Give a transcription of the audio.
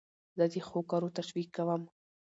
زه د ښو کارو تشویق کوم.